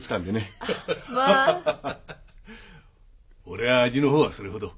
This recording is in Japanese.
俺は味のほうはそれほど。